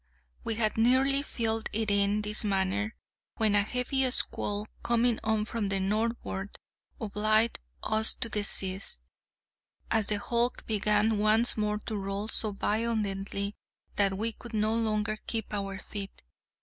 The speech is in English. We had nearly filled it in this manner, when, a heavy squall coming on from the northward, obliged us to desist, as the hulk began once more to roll so violently that we could no longer keep our feet.